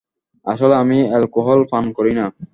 আসলে, আমি অ্যালকোহল পান করি না।